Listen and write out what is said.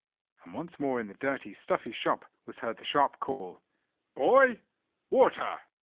And once more in the dirty, stuffy shop was heard the sharp call, "Boy, water!"